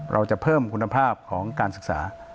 เราจะเพิ่มคุณภาพของการศึกษา